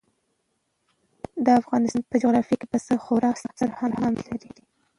د افغانستان په جغرافیه کې پسه خورا ستر اهمیت لري.